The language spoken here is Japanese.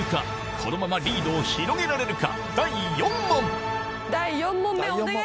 このままリードを広げられるか？